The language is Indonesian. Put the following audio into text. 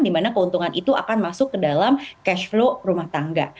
dimana keuntungan itu akan masuk ke dalam cash flow rumah tangga